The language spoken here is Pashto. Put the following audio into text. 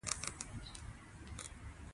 ازادي راډیو د امنیت د پراختیا اړتیاوې تشریح کړي.